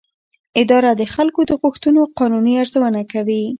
اداره د خلکو د غوښتنو قانوني ارزونه کوي.